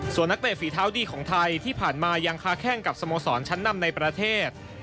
ส่วนนักเตะฝีเท้าดีของไทยที่ผ่านมายังค้าแข้งกับสโมสรชั้นนำในประเทศ